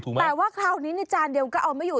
แต่ว่าคราวนี้ในจานเดียวก็เอาไม่อยู่